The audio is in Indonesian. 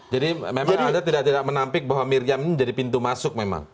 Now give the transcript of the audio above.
jadi memang anda tidak menampik bahwa miriam ini jadi pintu masuk memang